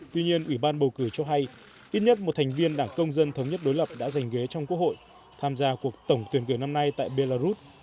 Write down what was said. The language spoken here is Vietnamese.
tuy nhiên ủy ban bầu cử cho hay ít nhất một thành viên đảng công dân thống nhất đối lập đã giành ghế trong quốc hội tham gia cuộc tổng tuyển cử năm nay tại belarus